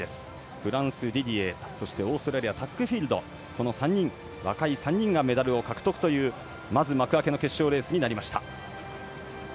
フランス、ディディエそして、オーストラリアのタックフィールドの若い３人がメダルを獲得という幕開けの決勝レースになりました。